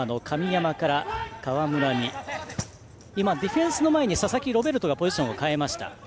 ディフェンスの前に佐々木ロベルトがポジションを変えました。